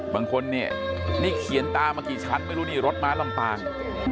บางคนเนี่ยนี่เขียนตามากี่ชั้นไม่รู้นี่รถม้าลำปาง